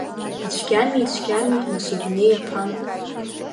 Ицәгьами, ицәгьами, нас, адунеи аԥан!